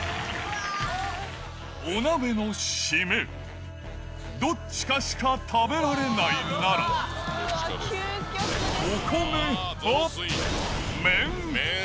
お鍋のシメ、どっちかしか食べられないなら、お米派？